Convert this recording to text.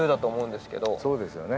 そうですよね。